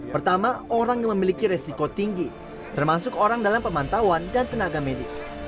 pertama orang yang memiliki resiko tinggi termasuk orang dalam pemantauan dan tenaga medis